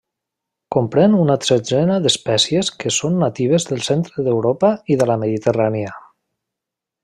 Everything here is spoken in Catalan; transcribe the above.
Comprèn una setzena d'espècies que són natives del centre d'Europa i de la Mediterrània.